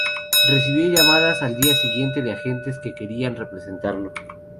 Recibió llamadas al día siguiente de agentes que querían representarlo.